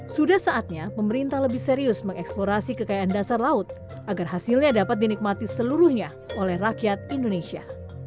sudah saatnya pemerintah lebih serius mengeksplorasi kekayaan dasar laut agar hasilnya dapat dinikmati seluruhnya oleh rakyat indonesia